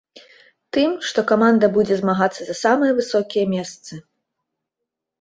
Тым, што каманда будзе змагацца за самыя высокія месцы.